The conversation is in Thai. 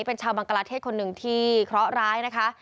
เป็นชาวบังกลาเทศคนหนึ่งที่เคราะห์ร้ายนะคะ